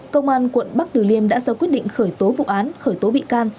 công an quận bắc tử liêm đã sau quyết định khởi tố vụ án khởi tố bị can